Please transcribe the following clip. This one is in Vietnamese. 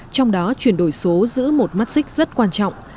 trong đó chuyển đổi số giữ một mắt xích rất quan trọng